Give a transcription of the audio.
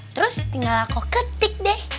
terus tinggal aku ketik deh